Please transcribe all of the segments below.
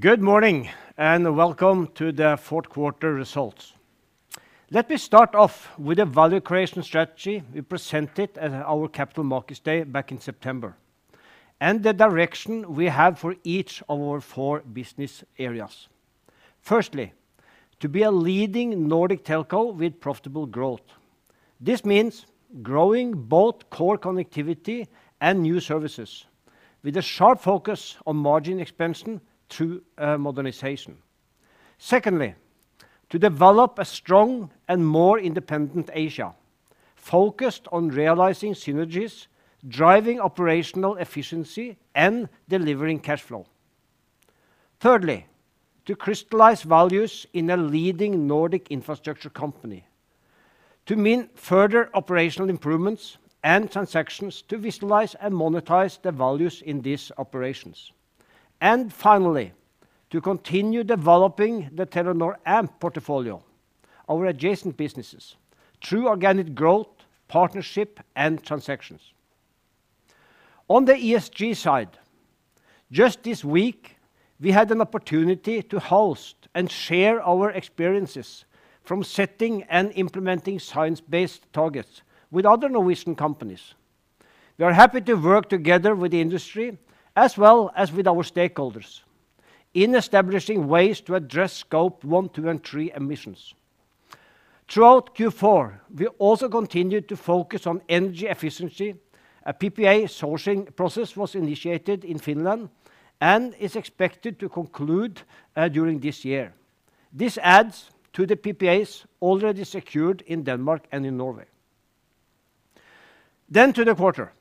Good morning, welcome to the fourth quarter results. Let me start off with a value creation strategy we presented at our Capital Markets Day back in September and the direction we have for each of our four business areas. Firstly, to be a leading Nordic telco with profitable growth. This means growing both core connectivity and new services with a sharp focus on margin expansion through modernization. Secondly, to develop a strong and more independent Asia focused on realizing synergies, driving operational efficiency, and delivering cash flow. Thirdly, to crystallize values in a leading Nordic infrastructure company to mean further operational improvements and transactions to visualize and monetize the values in these operations. Finally, to continue developing the Telenor Amp portfolio, our adjacent businesses, through organic growth, partnership, and transactions. On the ESG side, just this week, we had an opportunity to host and share our experiences from setting and implementing Science-Based Targets with other Norwegian companies. We are happy to work together with the industry as well as with our stakeholders in establishing ways to address Scope 1, Scope 2, and Scope 3 emissions. Throughout Q4, we also continued to focus on energy efficiency. A PPA sourcing process was initiated in Finland and is expected to conclude during this year. This adds to the PPAs already secured in Denmark and in Norway. To the quarter.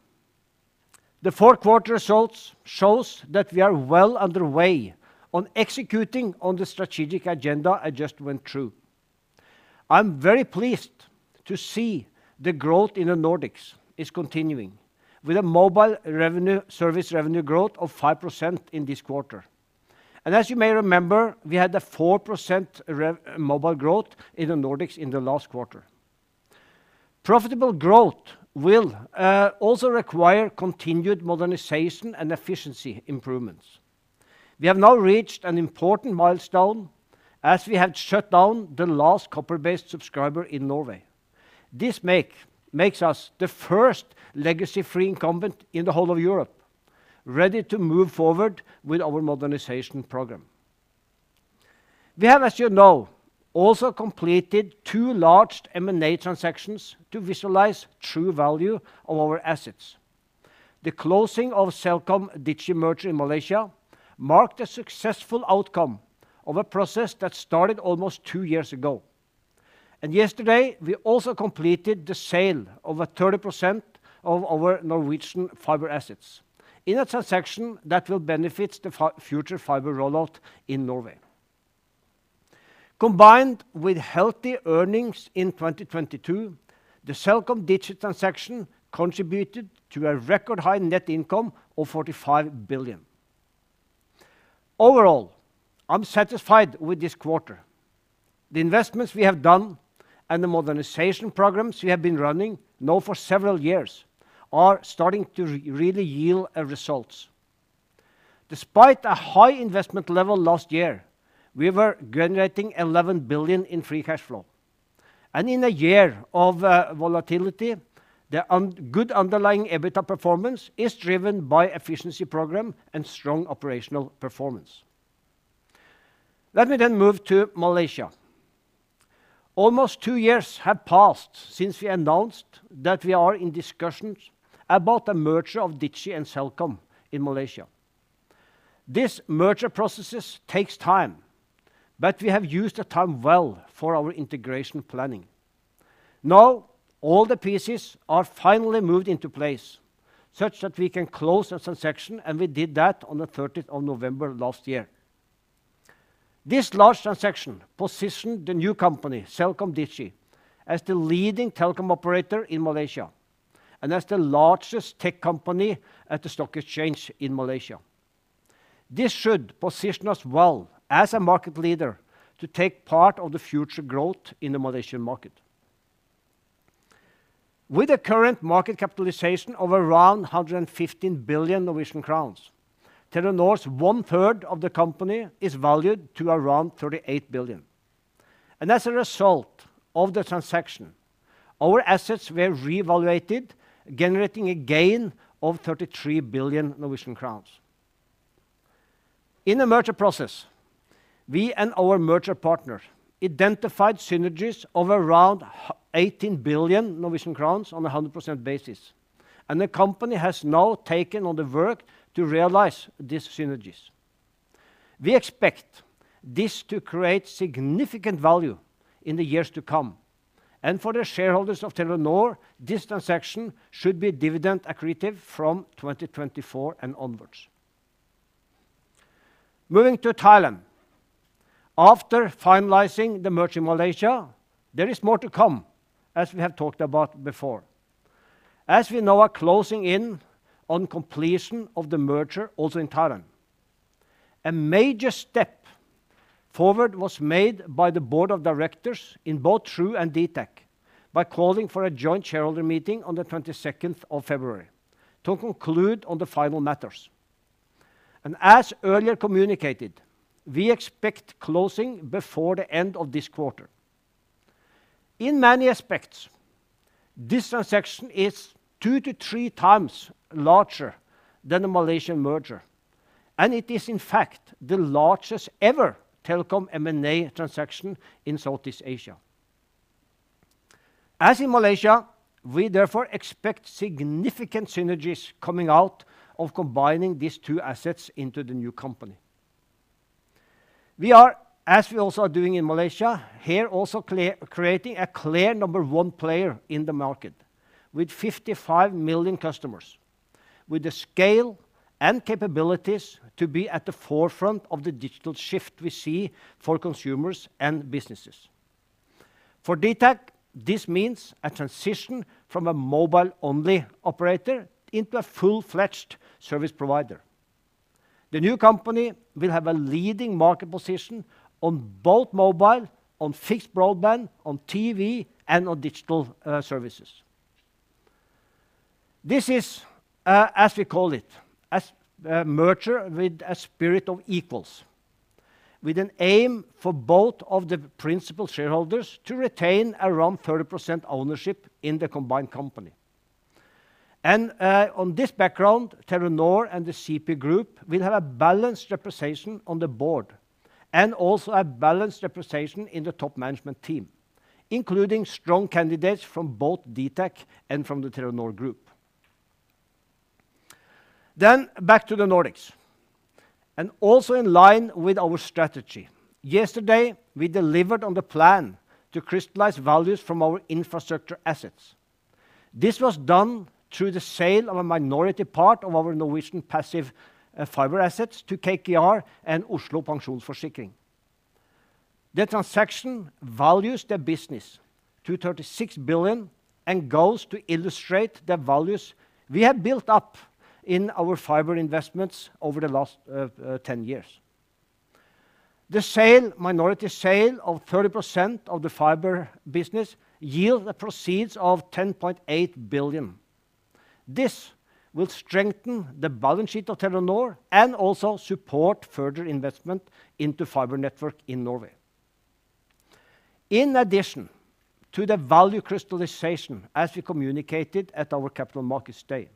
The fourth quarter results shows that we are well underway on executing on the strategic agenda I just went through. I'm very pleased to see the growth in the Nordics is continuing with a service revenue growth of 5% in this quarter. As you may remember, we had a 4% mobile growth in the Nordics in the last quarter. Profitable growth will also require continued modernization and efficiency improvements. We have now reached an important milestone as we have shut down the last copper-based subscriber in Norway. This makes us the first legacy-free incumbent in the whole of Europe, ready to move forward with our modernization program. We have, as you know, also completed two large M&A transactions to visualize true value of our assets. The closing of CelcomDigi merger in Malaysia marked a successful outcome of a process that started almost two years ago. Yesterday we also completed the sale of a 30% of our Norwegian fiber assets in a transaction that will benefit the future fiber rollout in Norway. Combined with healthy earnings in 2022, the CelcomDigi transaction contributed to a record high net income of 45 billion. Overall, I'm satisfied with this quarter. The investments we have done and the modernization programs we have been running now for several years are starting to really yield results. Despite a high investment level last year, we were generating 11 billion in free cash flow. In a year of volatility, the un-good underlying EBITDA performance is driven by efficiency program and strong operational performance. Let me move to Malaysia. Almost two years have passed since we announced that we are in discussions about a merger of Digi and Celcom in Malaysia. This merger processes takes time, we have used the time well for our integration planning. Now all the pieces are finally moved into place such that we can close the transaction, and we did that on the 13th of November last year. This large transaction positioned the new company, CelcomDigi, as the leading telecom operator in Malaysia and as the largest tech company at the stock exchange in Malaysia. This should position us well as a market leader to take part of the future growth in the Malaysian market. With the current market capitalization of around 115 billion Norwegian crowns, Telenor's 1/3 of the company is valued to around 38 billion. As a result of the transaction, our assets were reevaluated, generating a gain of 33 billion Norwegian crowns. In the merger process, we and our merger partner identified synergies of around 18 billio crowns on a 100% basis, and the company has now taken on the work to realize these synergies. We expect this to create significant value in the years to come, and for the shareholders of Telenor, this transaction should be dividend accretive from 2024 and onwards. Moving to Thailand. After finalizing the merger in Malaysia, there is more to come, as we have talked about before, as we now are closing in on completion of the merger also in Thailand. A major Step Forward was made by the board of directors in both True and dtac by calling for a joint shareholder meeting on the 22nd of February to conclude on the final matters. As earlier communicated, we expect closing before the end of this quarter. In many aspects, this transaction is two to three times larger than the Malaysian merger, and it is in fact the largest ever telecom M&A transaction in Southeast Asia. As in Malaysia, we therefore expect significant synergies coming out of combining these two assets into the new company. We are, as we also are doing in Malaysia, here also creating a clear number one player in the market with 55 million customers, with the scale and capabilities to be at the forefront of the digital shift we see for consumers and businesses. For dtac, this means a transition from a mobile-only operator into a full-fledged service provider. The new company will have a leading market position on both mobile, on fixed broadband, on TV, and on digital services. This is, as we call it, as merger with a spirit of equals, with an aim for both of the principal shareholders to retain around 30% ownership in the combined company. On this background, Telenor and the CP Group will have a balanced representation on the board and also a balanced representation in the top management team, including strong candidates from both DTAC and from the Telenor Group. Back to the Nordics. Also in line with our strategy, yesterday, we delivered on the plan to crystallize values from our infrastructure assets. This was done through the sale of a minority part of our Norwegian passive, fiber assets to KKR and Oslo Pensjonsforsikring. The transaction values their business to 36 billion and goes to illustrate the values we have built up in our fiber investments over the last 10 years. The sale, minority sale of 30% of the fiber business yield the proceeds of 10.8 billion. This will strengthen the balance sheet of Telenor and also support further investment into fiber network in Norway. In addition to the value crystallization, as we communicated at our Capital Markets Day,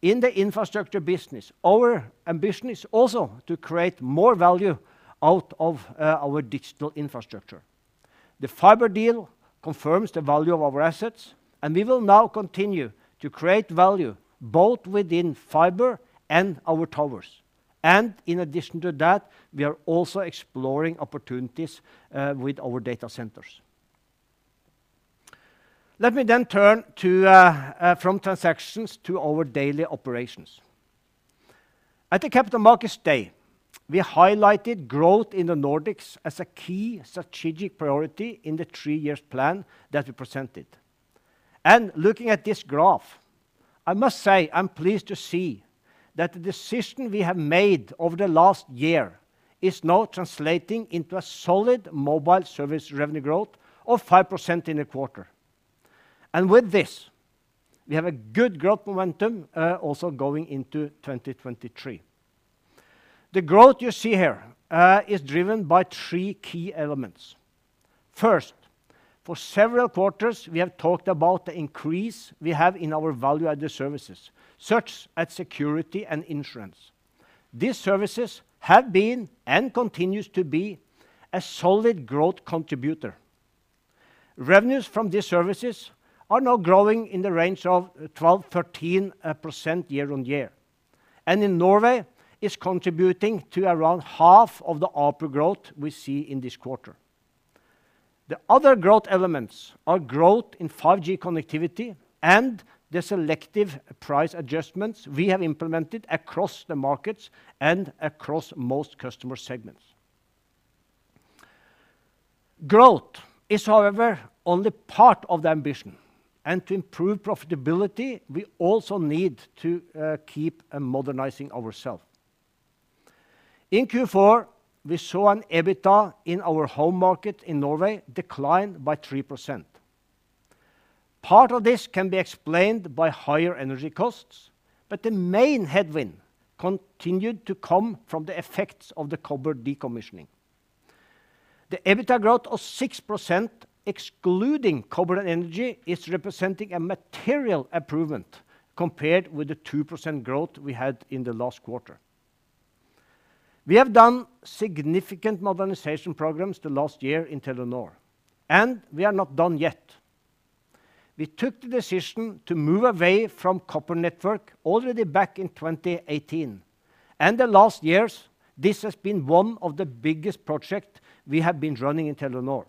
in the infrastructure business, our ambition is also to create more value out of our digital infrastructure. The fiber deal confirms the value of our assets, and we will now continue to create value both within fiber and our towers. In addition to that, we are also exploring opportunities with our data centers. Let me turn from transactions to our daily operations. At the Capital Markets Day, we highlighted growth in the Nordics as a key strategic priority in the three-years plan that we presented. Looking at this graph, I must say I'm pleased to see that the decision we have made over the last year is now translating into a solid mobile service revenue growth of 5% in a quarter. With this, we have a good growth momentum, also going into 2023. The growth you see here is driven by three key elements. First, for several quarters, we have talked about the increase we have in our value-added services, such as security and insurance. These services have been and continues to be a solid growth contributor. Revenues from these services are now growing in the range of 12%-13% year-on-year, and in Norway is contributing to around half of the output growth we see in this quarter. The other growth elements are growth in 5G connectivity and the selective price adjustments we have implemented across the markets and across most customer segments. Growth is, however, only part of the ambition, and to improve profitability, we also need to keep and modernizing ourselves. In Q4, we saw an EBITDA in our home market in Norway decline by 3%. Part of this can be explained by higher energy costs, but the main headwind continued to come from the effects of the copper decommissioning. The EBITDA growth of 6%, excluding copper and energy, is representing a material improvement compared with the 2% growth we had in the last quarter. We have done significant modernization programs the last year in Telenor, and we are not done yet. We took the decision to move away from copper network already back in 2018, and the last years, this has been one of the biggest project we have been running in Telenor.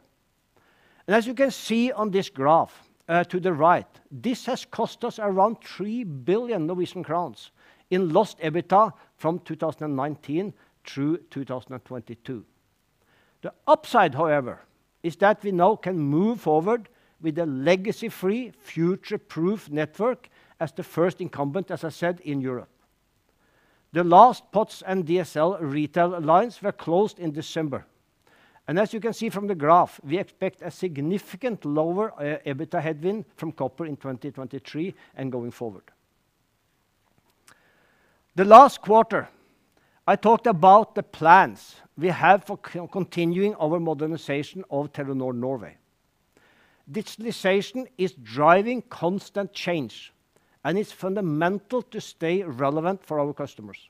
As you can see on this graph to the right, this has cost us around 3 billion Norwegian crowns in lost EBITDA from 2019-2022. The upside, however, is that we now can move forward with a legacy-free future-proof network as the first incumbent, as I said, in Europe. The last POTS and DSL retail lines were closed in December. As you can see from the graph, we expect a significant lower EBITDA headwind from copper in 2023 and going forward. The last quarter, I talked about the plans we have for continuing our modernization of Telenor Norway. Digitalization is driving constant change. It's fundamental to stay relevant for our customers.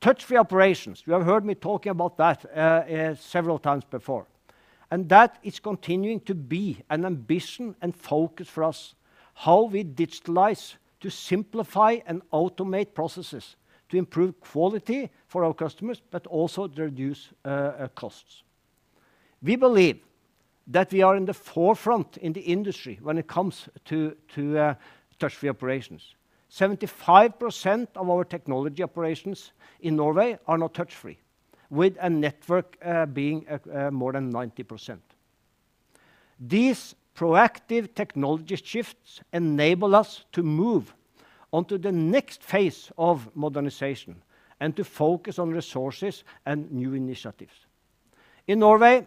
Touch-free operations, you have heard me talking about that several times before. That is continuing to be an ambition and focus for us, how we digitalize to simplify and automate processes to improve quality for our customers, also to reduce costs. We believe that we are in the forefront in the industry when it comes to touch-free operations. 75% of our technology operations in Norway are now touch-free, with a network being at more than 90%. These proactive technology shifts enable us to move on to the next phase of modernization and to focus on resources and new initiatives. In Norway,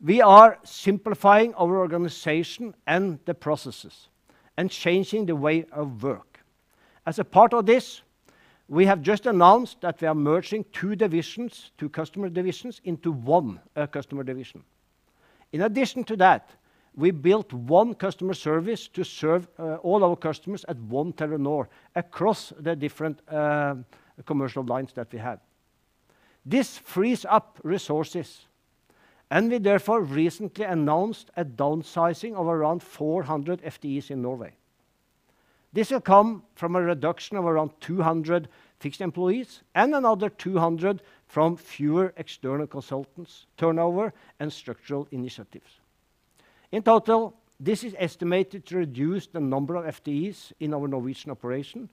we are simplifying our organization and the processes and changing the way of work. As a part of this, we have just announced that we are merging 2 divisions, 2 customer divisions, into 1 customer division. In addition to that, we built 1 customer service to serve all our customers at 1 Telenor across the different commercial lines that we have. This frees up resources, and we therefore recently announced a downsizing of around 400 FTEs in Norway. This will come from a reduction of around 200 fixed employees and another 200 from fewer external consultants' turnover and structural initiatives. In total, this is estimated to reduce the number of FTEs in our Norwegian operation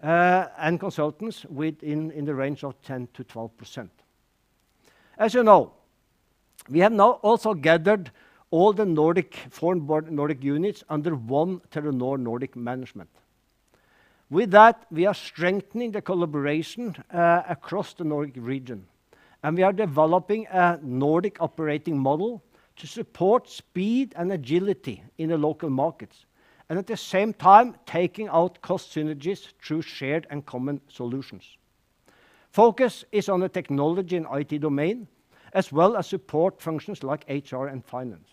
and consultants within in the range of 10%-12%. As you know, we have now also gathered all the Nordic units under 1 Telenor Nordic management. With that, we are strengthening the collaboration across the Nordic region, and we are developing a Nordic operating model to support speed and agility in the local markets and at the same time taking out cost synergies through shared and common solutions. Focus is on the technology and IT domain, as well as support functions like HR and finance.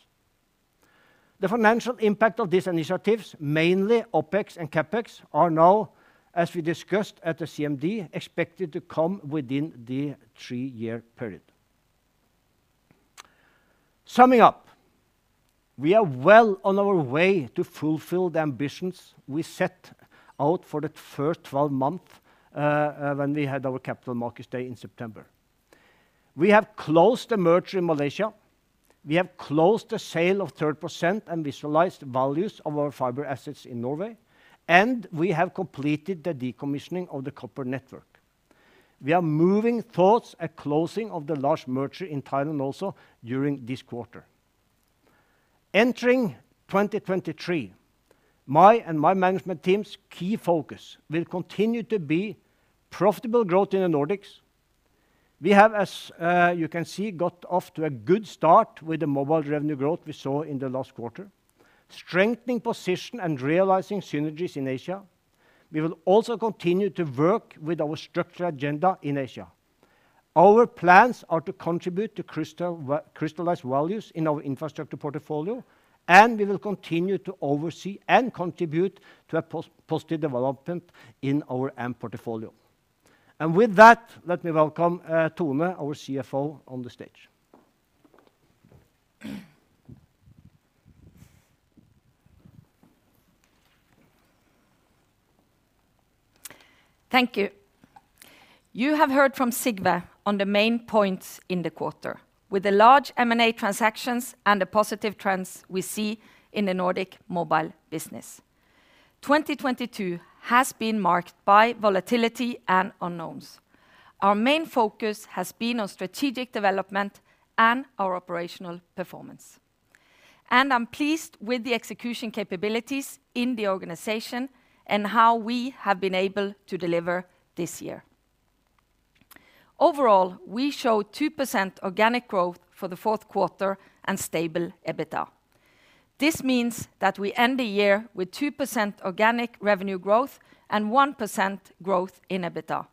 The financial impact of these initiatives, mainly OpEx and CapEx, are now, as we discussed at the CMD, expected to come within the three-year period. Summing up, we are well on our way to fulfill the ambitions we set out for the first 12-month when we had our Capital Markets Day in September. We have closed the merger in Malaysia, we have closed the sale of third percent and visualized values of our fiber assets in Norway, and we have completed the decommissioning of the copper network. We are moving towards a closing of the large merger in Thailand also during this quarter. Entering 2023, my and my management team's key focus will continue to be profitable growth in the Nordics. We have, as you can see, got off to a good start with the mobile revenue growth we saw in the last quarter, strengthening position and realizing synergies in Asia. We will also continue to work with our structural agenda in Asia. Our plans are to contribute to crystallize values in our infrastructure portfolio, and we will continue to oversee and contribute to a positive development in our AMP portfolio. With that, let me welcome Tone, our CFO, on the stage. Thank you. You have heard from Sigve on the main points in the quarter with the large M&A transactions and the positive trends we see in the Nordic mobile business. 2022 has been marked by volatility and unknowns. Our main focus has been on strategic development and our operational performance. I'm pleased with the execution capabilities in the organization and how we have been able to deliver this year. Overall, we show 2% organic growth for the fourth quarter and stable EBITDA. This means that we end the year with 2% organic revenue growth and 1% growth in EBITDA,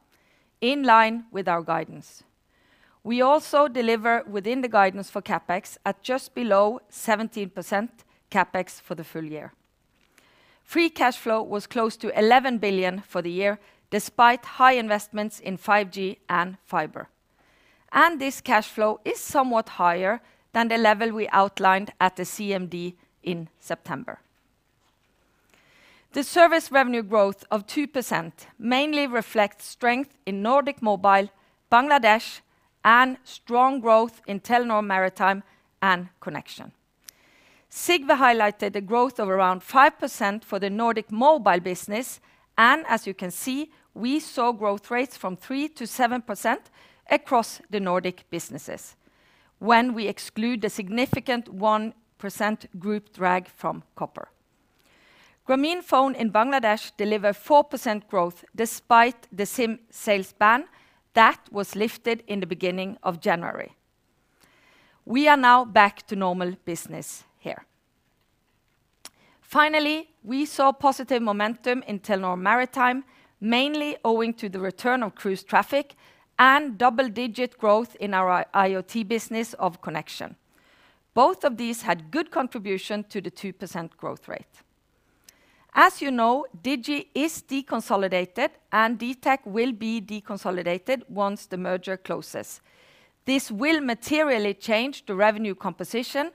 in line with our guidance. We also deliver within the guidance for CapEx at just below 17% CapEx for the full year. Free cash flow was close to 11 billion for the year, despite high investments in 5G and fiber. This cash flow is somewhat higher than the level we outlined at the CMD in September. The service revenue growth of 2% mainly reflects strength in Nordic Mobile, Bangladesh and strong growth in Telenor Maritime and Telenor Connexion. Sigve highlighted the growth of around 5% for the Nordic Mobile business. As you can see, we saw growth rates from 3%-7% across the Nordic businesses when we exclude the significant 1% group drag from copper. Grameenphone in Bangladesh deliver 4% growth despite the SIM sales ban that was lifted in the beginning of January. We are now back to normal business here. We saw positive momentum in Telenor Maritime, mainly owing to the return of cruise traffic and double-digit growth in our IoT business of Telenor Connexion. Both of these had good contribution to the 2% growth rate. As you know, Digi is deconsolidated, and dtac will be deconsolidated once the merger closes. This will materially change the revenue composition,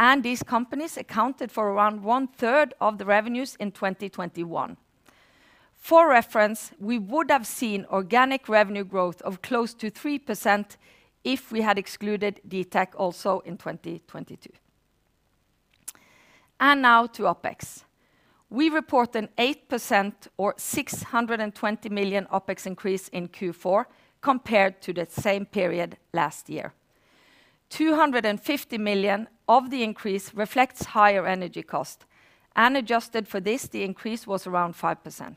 and these companies accounted for around one-third of the revenues in 2021. For reference, we would have seen organic revenue growth of close to 3% if we had excluded dtac also in 2022. Now to OpEx. We report an 8% or 620 million OpEx increase in Q4 compared to the same period last year. 250 million of the increase reflects higher energy cost, and adjusted for this, the increase was around 5%.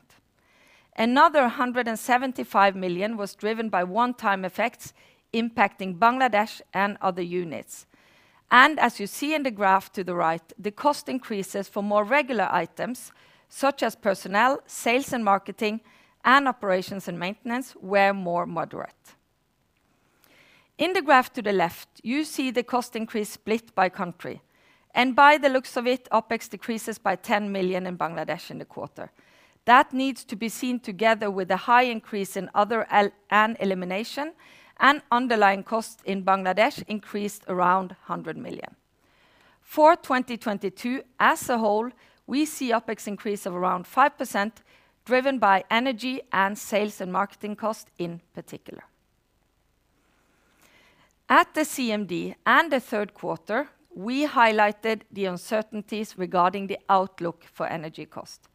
Another 175 million was driven by one-time effects impacting Bangladesh and other units. As you see in the graph to the right, the cost increases for more regular items such as personnel, sales and marketing, and operations and maintenance were more moderate. In the graph to the left, you see the cost increase split by country. By the looks of it, OpEx decreases by 10 million in Bangladesh in the quarter. That needs to be seen together with a high increase in other and elimination, and underlying costs in Bangladesh increased around 100 million. For 2022 as a whole, we see OpEx increase of around 5% driven by energy and sales and marketing costs in particular. At the CMD and the third quarter, we highlighted the uncertainties regarding the outlook for energy cost.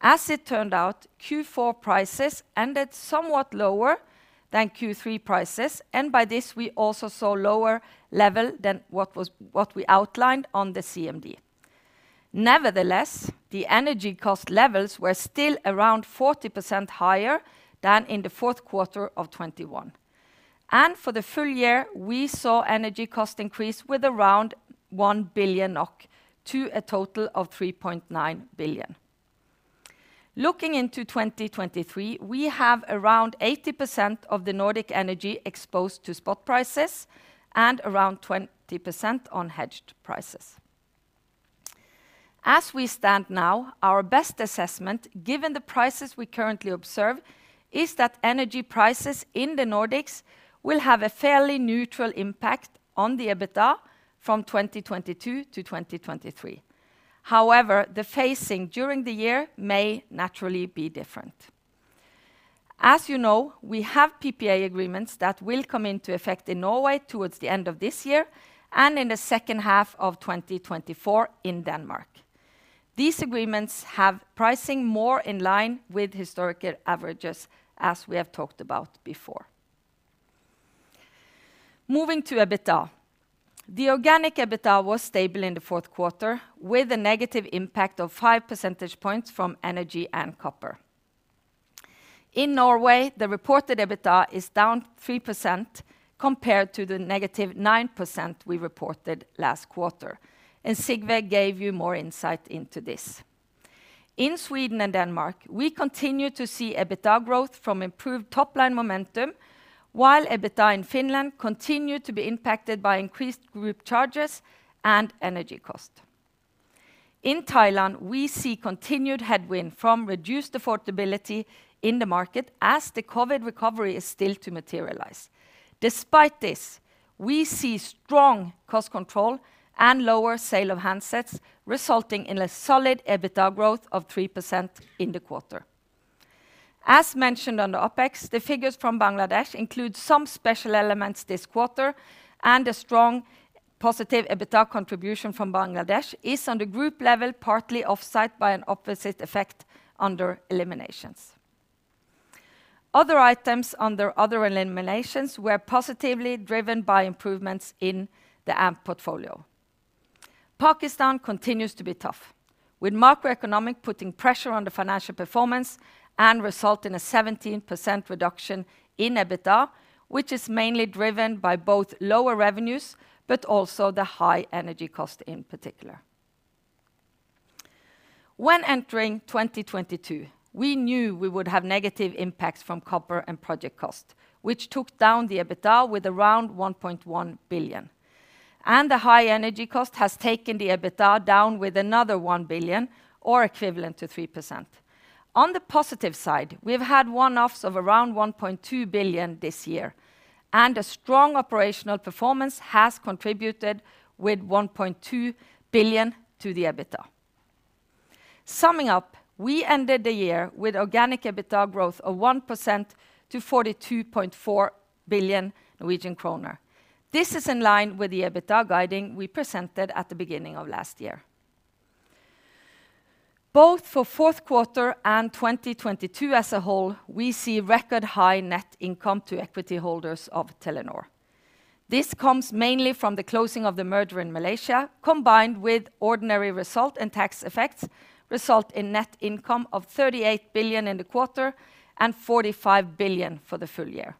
As it turned out, Q4 prices ended somewhat lower than Q3 prices, and by this, we also saw lower level than what we outlined on the CMD. Nevertheless, the energy cost levels were still around 40% higher than in the fourth quarter of 2021. For the full year, we saw energy cost increase with around 1 billion NOK to a total of 3.9 billion. Looking into 2023, we have around 80% of the Nordic energy exposed to spot prices and around 20% on hedged prices. As we stand now, our best assessment, given the prices we currently observe, is that energy prices in the Nordics will have a fairly neutral impact on the EBITDA from 2022 to 2023. However, the phasing during the year may naturally be different. As you know, we have PPA agreements that will come into effect in Norway towards the end of this year and in the second half of 2024 in Denmark. These agreements have pricing more in line with historical averages, as we have talked about before. Moving to EBITDA. The organic EBITDA was stable in the fourth quarter with a negative impact of 5 percentage points from energy and copper. In Norway, the reported EBITDA is down 3% compared to the negative 9% we reported last quarter, and Sigve gave you more insight into this. In Sweden and Denmark, we continue to see EBITDA growth from improved top-line momentum, while EBITDA in Finland continued to be impacted by increased group charges and energy cost. In Thailand, we see continued headwind from reduced affordability in the market as the COVID recovery is still to materialize. Despite this, we see strong cost control and lower sale of handsets resulting in a solid EBITDA growth of 3% in the quarter. As mentioned on the OpEx, the figures from Bangladesh include some special elements this quarter, and a strong positive EBITDA contribution from Bangladesh is on the group level partly offset by an opposite effect under eliminations. Other items under other eliminations were positively driven by improvements in the AMP portfolio. Pakistan continues to be tough, with macroeconomic putting pressure on the financial performance and result in a 17% reduction in EBITDA, which is mainly driven by both lower revenues but also the high energy cost in particular. When entering 2022, we knew we would have negative impacts from copper and project cost, which took down the EBITDA with around 1.1 billion. The high energy cost has taken the EBITDA down with another 1 billion or equivalent to 3%. On the positive side, we've had one-offs of around 1.2 billion this year, and a strong operational performance has contributed with 1.2 billion to the EBITDA. Summing up, we ended the year with organic EBITDA growth of 1% to 42.4 billion Norwegian kroner. This is in line with the EBITDA guiding we presented at the beginning of last year. Both for fourth quarter and 2022 as a whole, we see record high net income to equity holders of Telenor. This comes mainly from the closing of the merger in Malaysia, combined with ordinary result and tax effects, result in net income of 38 billion in the quarter and 45 billion for the full year.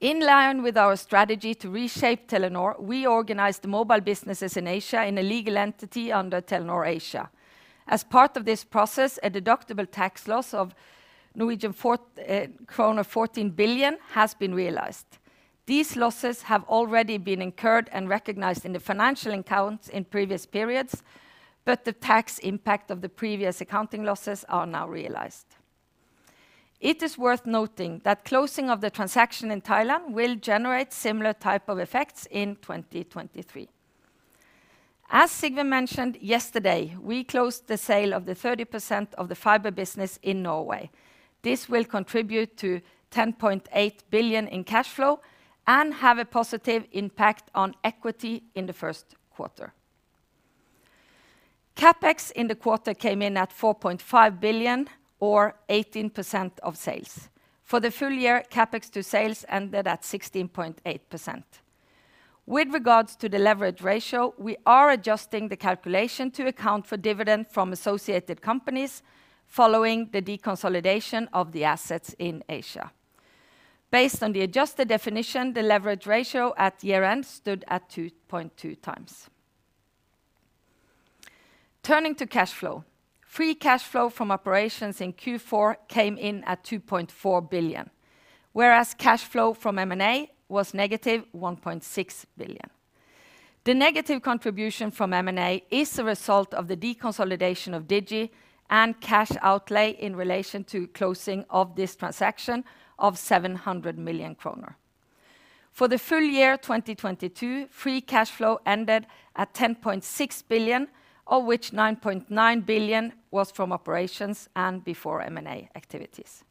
In line with our strategy to reshape Telenor, we organized the mobile businesses in Asia in a legal entity under Telenor Asia. As part of this process, a deductible tax loss of krone 14 billion has been realized. These losses have already been incurred and recognized in the financial accounts in previous periods, but the tax impact of the previous accounting losses are now realized. It is worth noting that closing of the transaction in Thailand will generate similar type of effects in 2023. As Sigve mentioned yesterday, we closed the sale of the 30% of the fiber business in Norway. This will contribute to 10.8 billion in cash flow and have a positive impact on equity in the first quarter. CapEx in the quarter came in at 4.5 billion or 18% of sales. For the full year, CapEx to sales ended at 16.8%. With regards to the leverage ratio, we are adjusting the calculation to account for dividend from associated companies following the deconsolidation of the assets in Asia. Based on the adjusted definition, the leverage ratio at year-end stood at 2.2 times. Turning to cash flow, free cash flow from operations in Q4 came in at 2.4 billion, whereas cash flow from M&A was negative 1.6 billion. The negative contribution from M&A is a result of the deconsolidation of Digi and cash outlay in relation to closing of this transaction of 700 million kroner. For the full year 2022, free cash flow ended at 10.6 billion, of which 9.9 billion was from operations and before M&A activities.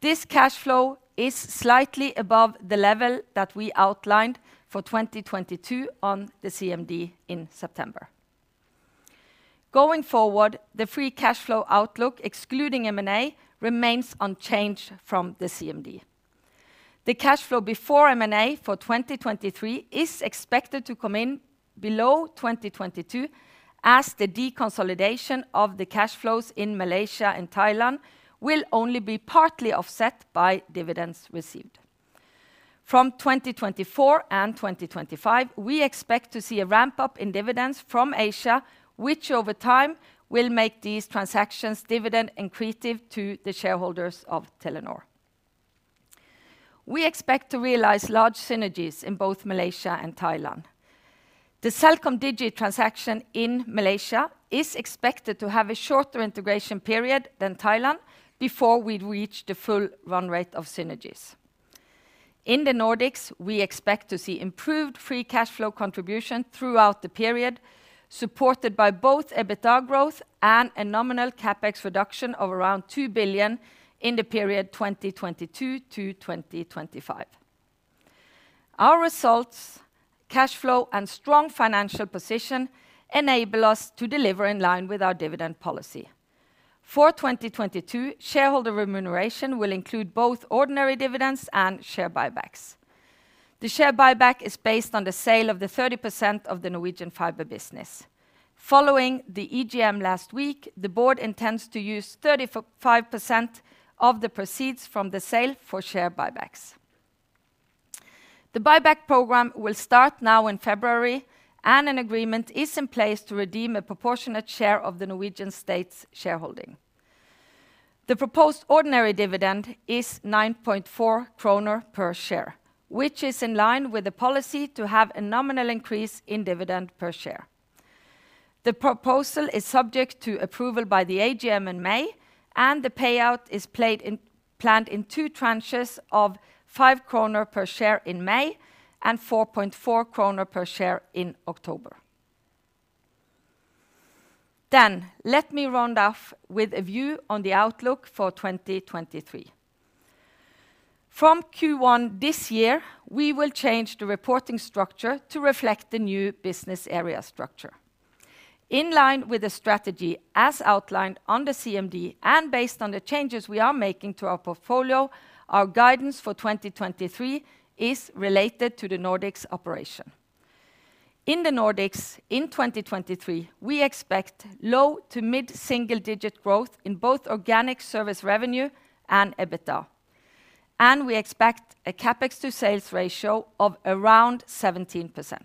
This cash flow is slightly above the level that we outlined for 2022 on the CMD in September. Going forward, the free cash flow outlook, excluding M&A, remains unchanged from the CMD. The cash flow before M&A for 2023 is expected to come in below 2022, as the deconsolidation of the cash flows in Malaysia and Thailand will only be partly offset by dividends received. From 2024 and 2025, we expect to see a ramp-up in dividends from Asia, which over time will make these transactions dividend accretive to the shareholders of Telenor. We expect to realize large synergies in both Malaysia and Thailand. The CelcomDigi transaction in Malaysia is expected to have a shorter integration period than Thailand before we reach the full run rate of synergies. In the Nordics, we expect to see improved free cash flow contribution throughout the period, supported by both EBITDA growth and a nominal CapEx reduction of around 2 billion in the period 2022-2025. Our results, cash flow, and strong financial position enable us to deliver in line with our dividend policy. For 2022, shareholder remuneration will include both ordinary dividends and share buybacks. The share buyback is based on the sale of the 30% of the Norwegian fiber business. Following EGM last week, the board intends to use 35% of the proceeds from the sale for share buybacks. The buyback program will start now in February, and an agreement is in place to redeem a proportionate share of the Norwegian state's shareholding. The proposed ordinary dividend is 9.4 kroner per share, which is in line with the policy to have a nominal increase in dividend per share. The proposal is subject to approval by the AGM in May, and the payout is planned in two tranches of 5 kroner per share in May and 4.4 kroner per share in October. Let me round off with a view on the outlook for 2023. From Q1 this year, we will change the reporting structure to reflect the new business area structure. In line with the strategy as outlined on the CMD and based on the changes we are making to our portfolio, our guidance for 2023 is related to the Nordics operation. In the Nordics in 2023, we expect low- to mid-single-digit growth in both organic service revenue and EBITDA, and we expect a CapEx to sales ratio of around 17%.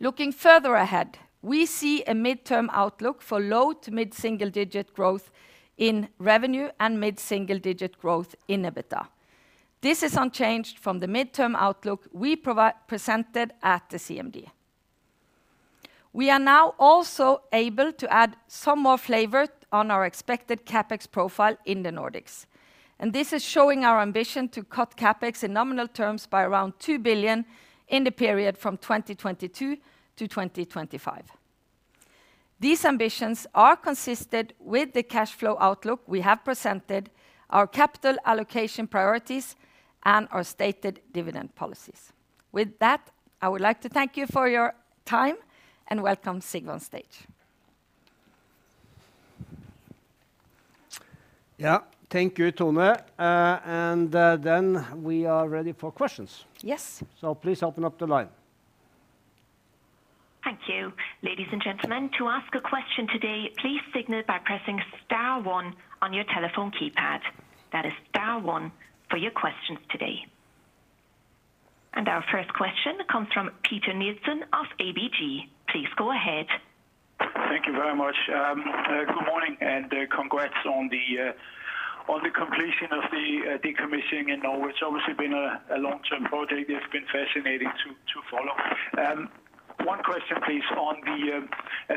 Looking further ahead, we see a midterm outlook for low- to mid-single-digit growth in revenue and mid-single-digit growth in EBITDA. This is unchanged from the midterm outlook we presented at the CMD. We are now also able to add some more flavor on our expected CapEx profile in the Nordics, and this is showing our ambition to cut CapEx in nominal terms by around 2 billion in the period from 2022 to 2025. These ambitions are consisted with the cash flow outlook we have presented, our capital allocation priorities, and our stated dividend policies. With that, I would like to thank you for your time and welcome Sigve on stage. Yeah. Thank you, Tone. Then we are ready for questions. Yes. Please open up the line. Thank you. Ladies and gentlemen, to ask a question today, please signal by pressing star one on your telephone keypad. That is star one for your questions today. Our first question comes from Peter Kurt Nielsen of ABG. Please go ahead. Thank you very much. Good morning and congrats on the completion of the decommissioning in Norway. It's obviously been a long-term project. It's been fascinating to follow. One question, please, on the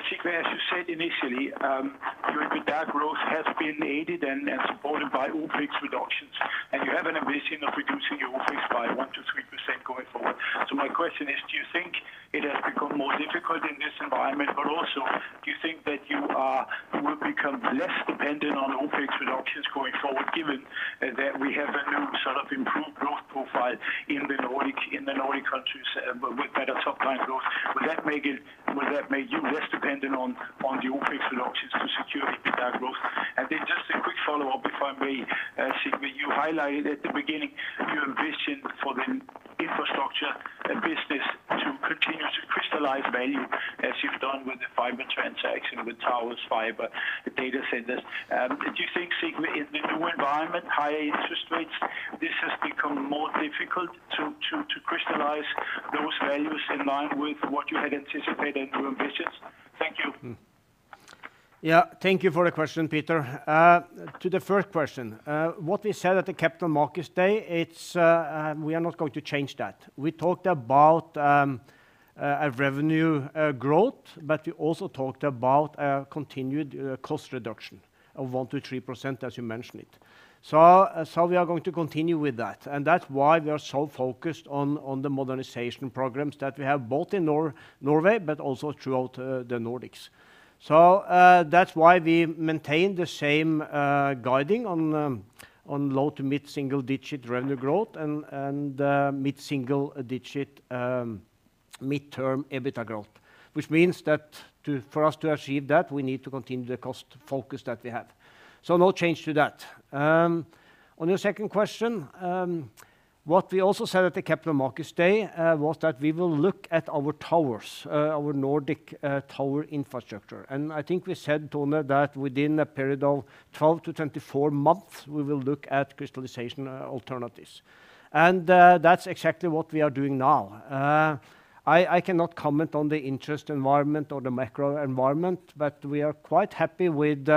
Sigve, as you said initially, your EBITDA growth has been aided and supported by OpEx reductions, and you have an ambition of reducing your OpEx by 1% to 3% going forward. My question is, do you think it has become more difficult in this environment? Also, do you think that you will become less dependent on OpEx reductions going forward, given that we have a new sort of improved growth profile in the Nordic, in the Nordic countries with better supply growth? Will that make you less dependent on the OpEx reductions to secure EBITDA growth? Just a quick follow-up, if I may. Sigve, you highlighted at the beginning your vision for the infrastructure business to continue to crystallize value as you've done with the fiber transaction, with towers, fiber, data centers. Do you think, Sigve, in the new environment, higher interest rates, this has become more difficult to crystallize those values in line with what you had anticipated your ambitions? Thank you. Thank you for the question, Peter. To the first question, what we said at the Capital Markets Day, it's we are not going to change that. We talked about a revenue growth, we also talked about a continued cost reduction of 1%-3%, as you mentioned it. We are going to continue with that's why we are so focused on the modernization programs that we have both in Norway but also throughout the Nordics. That's why we maintain the same guiding on low- to mid-single digit revenue growth and mid-single digit midterm EBITDA growth, which means that for us to achieve that, we need to continue the cost focus that we have. No change to that. On your second question, what we also said at the Capital Markets Day, was that we will look at our towers, our Nordic tower infrastructure. I think we said, Tone, that within a period of 12 to 24 months, we will look at crystallization alternatives. That's exactly what we are doing now. I cannot comment on the interest environment or the macro environment, but we are quite happy with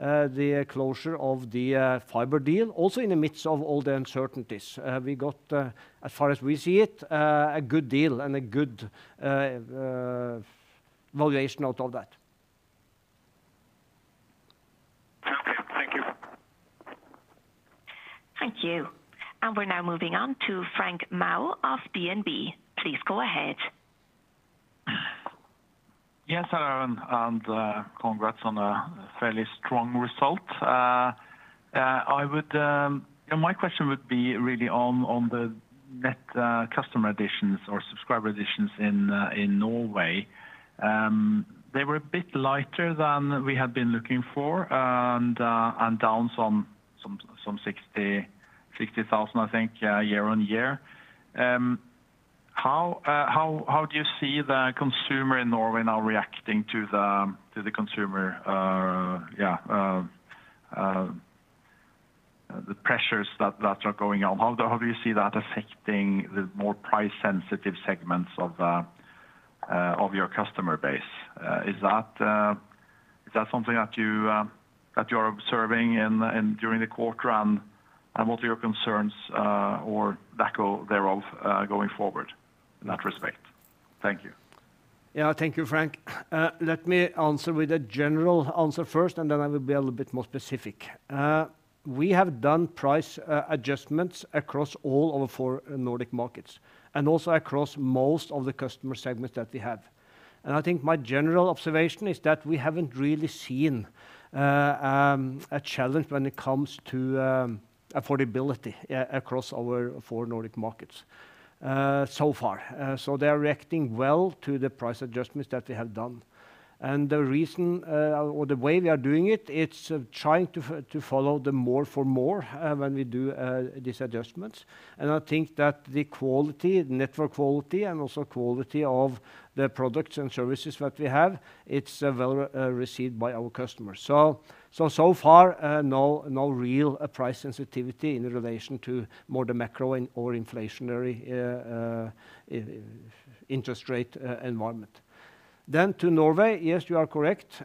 the closure of the fiber deal also in the midst of all the uncertainties. We got, as far as we see it, a good deal and a good valuation out of that. Okay. Thank you. Thank you. We're now moving on to Frank Maaø of DNB. Please go ahead. Yes. Hello, and congrats on a fairly strong result. My question would be really on the net customer additions or subscriber additions in Norway. They were a bit lighter than we had been looking for and down some 60,000, I think, year-on-year. How do you see the consumer in Norway now reacting to the consumer, yeah, the pressures that are going on? How do you see that affecting the more price-sensitive segments of your customer base? Is that something that you are observing during the quarter, and what are your concerns or lack of thereof going forward in that respect? Thank you. Yeah. Thank you, Frank. Let me answer with a general answer first, and then I will be a little bit more specific. We have done price adjustments across all of our four Nordic markets and also across most of the customer segments that we have I think my general observation is that we haven't really seen a challenge when it comes to affordability across our four Nordic markets so far. So they are reacting well to the price adjustments that we have done. The reason, or the way we are doing it's trying to follow the more for more when we do these adjustments. I think that the quality, network quality and also quality of the products and services that we have, it's well received by our customers. So far, no real price sensitivity in relation to more the macro or inflationary interest rate environment. To Norway, yes, you are correct.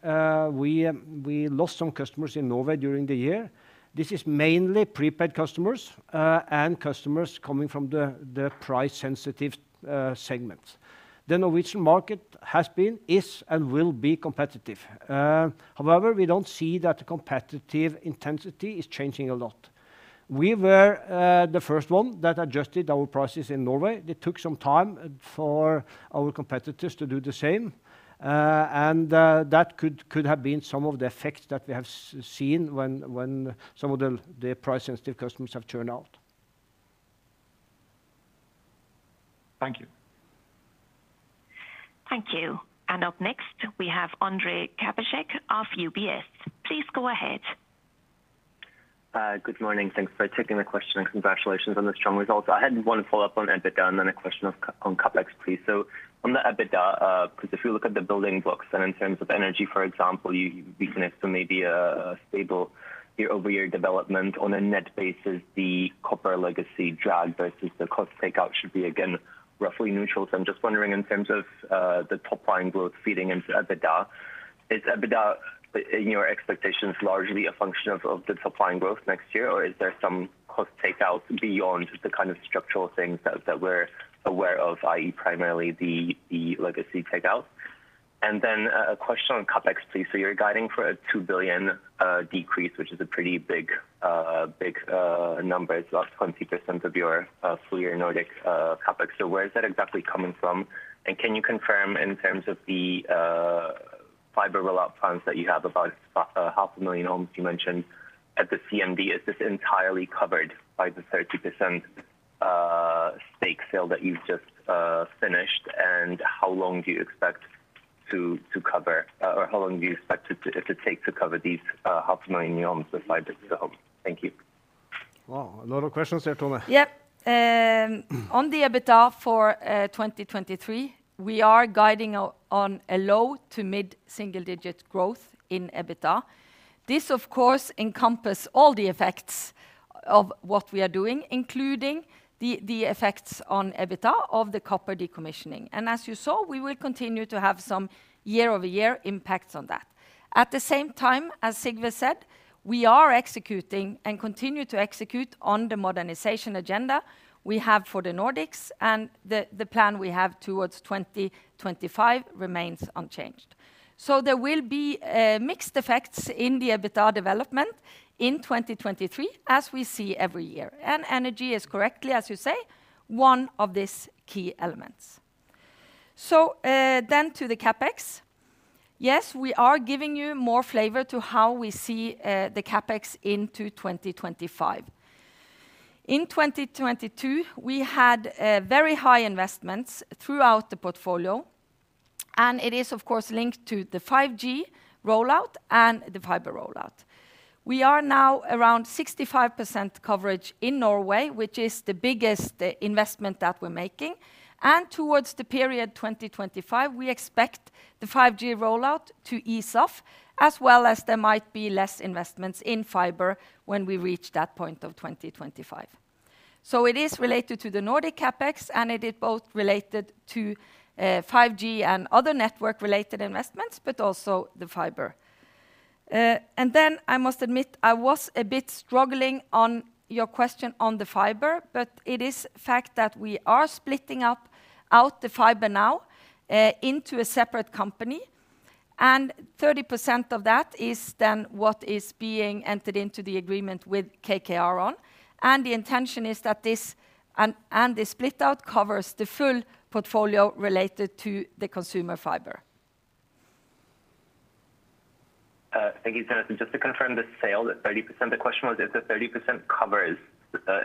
We lost some customers in Norway during the year. This is mainly prepaid customers and customers coming from the price-sensitive segments. The Norwegian market has been, is, and will be competitive. However, we don't see that the competitive intensity is changing a lot. We were the first one that adjusted our prices in Norway. It took some time for our competitors to do the same. And that could have been some of the effects that we have seen when some of the price-sensitive customers have churn out. Thank you. Thank you. Up next, we have Ondrej Cabejsek of UBS. Please go ahead. Good morning. Thanks for taking the question, and congratulations on the strong results. I had one follow-up on EBITDA and then a question on CapEx, please. On the EBITDA, 'cause if you look at the building books and in terms of energy, for example, you've witnessed maybe a stable year-over-year development on a net basis, the copper legacy drag versus the cost takeout should be again roughly neutral. I'm just wondering in terms of the top line growth feeding into EBITDA, is EBITDA in your expectations largely a function of the top line growth next year, or is there some cost takeout beyond just the kind of structural things that we're aware of, i.e. primarily the legacy takeout? And then a question on CapEx, please. You're guiding for a 2 billion decrease, which is a pretty big number. It's about 20% of your full year Nordic CapEx. Where is that exactly coming from? Can you confirm in terms of the fiber rollout plans that you have about half a million homes you mentioned at the CMD, is this entirely covered by the 30% stake sale that you've just finished? How long do you expect to cover, or how long do you expect it to take to cover these half a million homes with fiber to the home? Thank you. Wow. A lot of questions there, Tone. Yep. On the EBITDA for 2023, we are guiding on a low- to mid-single-digit growth in EBITDA. This, of course, encompass all the effects of what we are doing, including the effects on EBITDA of the copper decommissioning. As you saw, we will continue to have some year-over-year impacts on that. At the same time, as Sigve said, we are executing and continue to execute on the modernization agenda we have for the Nordics and the plan we have towards 2025 remains unchanged. There will be mixed effects in the EBITDA development in 2023, as we see every year. Energy is correctly, as you say, one of these key elements. Then to the CapEx. Yes, we are giving you more flavor to how we see the CapEx into 2025. In 2022, we had very high investments throughout the portfolio, and it is of course linked to the 5G rollout and the fiber rollout. We are now around 65% coverage in Norway, which is the biggest investment that we're making. Towards the period 2025, we expect the 5G rollout to ease off, as well as there might be less investments in fiber when we reach that point of 2025. It is related to the Nordic CapEx, and it is both related to 5G and other network-related investments, but also the fiber. I must admit, I was a bit struggling on your question on the fiber, but it is fact that we are splitting up out the fiber now into a separate company. 30% of that is then what is being entered into the agreement with KKR on. The intention is that this and this split out covers the full portfolio related to the consumer fiber. Thank you, Tone. Just to confirm the sale, the 30%. The question was if the 30% covers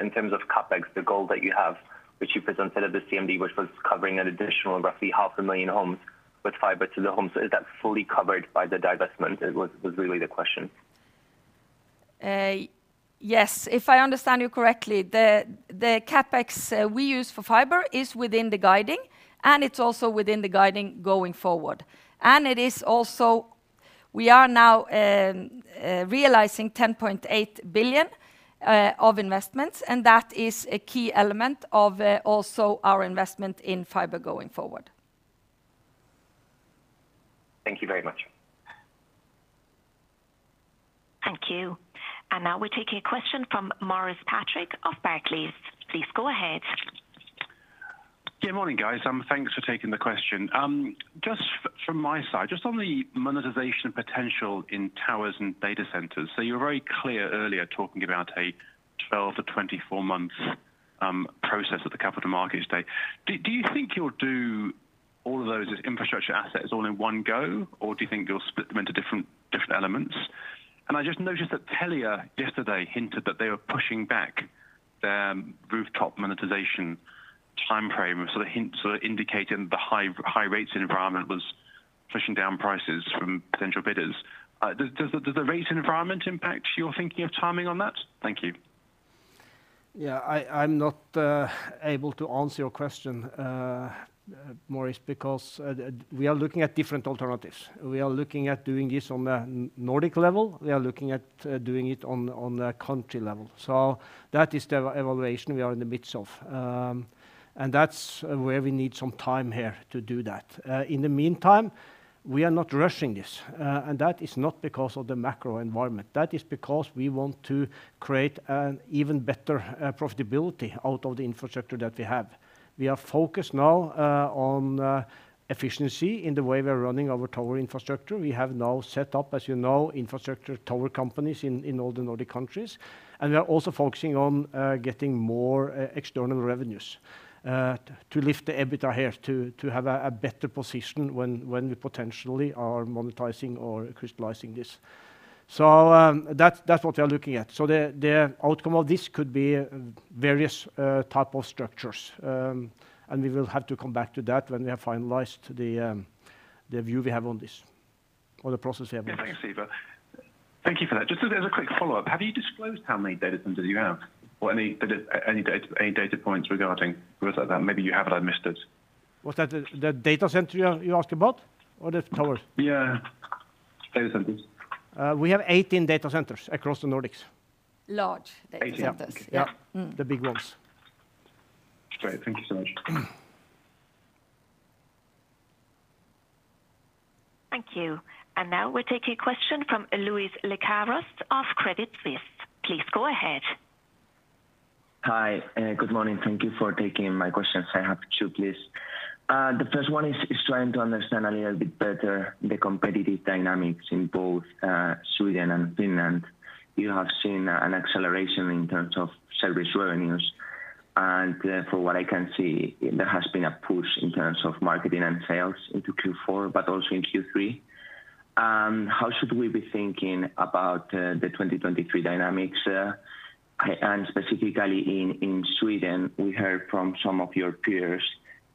in terms of CapEx, the goal that you have, which you presented at the CMD, which was covering an additional roughly half a million homes with fiber to the home. Is that fully covered by the divestment is what, was really the question? Yes. If I understand you correctly, the CapEx we use for fiber is within the guiding, and it's also within the guiding going forward. It is also we are now realizing 10.8 billion of investments, and that is a key element of also our investment in fiber going forward. Thank you very much. Thank you. Now we take a question from Maurice Patrick of Barclays. Please go ahead. Good morning, guys. Thanks for taking the question. Just from my side, just on the monetization potential in towers and data centers. You were very clear earlier talking about a 12-24 month process at the Capital Markets Day. Do you think you'll do all of those infrastructure assets all in one go, or do you think you'll split them into different elements? I just noticed that Telia yesterday hinted that they were pushing back their rooftop monetization timeframe. The hints are indicating the high rates environment was pushing down prices from potential bidders. Does the rates environment impact your thinking of timing on that? Thank you. Yeah. I'm not able to answer your question, Maurice, because we are looking at different alternatives. We are looking at doing this on a Nordic level. We are looking at doing it on a country level. That is the evaluation we are in the midst of. That's where we need some time here to do that. In the meantime, we are not rushing this, and that is not because of the macro environment. That is because we want to create an even better profitability out of the infrastructure that we have. We are focused now on efficiency in the way we are running our tower infrastructure. We have now set up, as you know, infrastructure tower companies in all the Nordic countries. We are also focusing on getting more e-external revenues to lift the EBITDA here to have a better position when we potentially are monetizing or crystallizing this. That's what we are looking at. The outcome of this could be various type of structures. We will have to come back to that when we have finalized the view we have on this or the process we have on this. Thanks, Sigve. Thank you for that. Just as a quick follow-up, have you disclosed how many data centers you have or any data points regarding that? Maybe you have, but I missed it. Was that the data center you asked about or the towers? Yeah. Data centers. We have 18 data centers across the Nordics. Large data centers. Eighteen. Yeah. Yeah. The big ones. Great. Thank you so much. Thank you. Now we're taking a question from Louis Lecaroz of Credit Suisse. Please go ahead. Hi, good morning. Thank you for taking my questions. I have two, please. The first one is trying to understand a little bit better the competitive dynamics in both Sweden and Finland. You have seen an acceleration in terms of service revenues. From what I can see, there has been a push in terms of marketing and sales into Q4, but also in Q3. How should we be thinking about the 2023 dynamics? Specifically in Sweden, we heard from some of your peers,